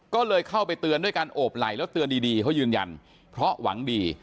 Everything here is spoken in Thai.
ก็เลยเข้าไปเตือนด้วยการโอบไหล่แล้วเตือนดีเขายืนยันเพราะหวังดี